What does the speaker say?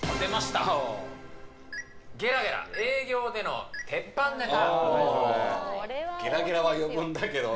ゲラゲラ営業での鉄板ネタ。